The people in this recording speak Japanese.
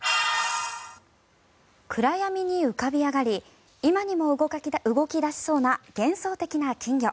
暗闇に浮かび上がり今にも動き出しそうな幻想的な金魚。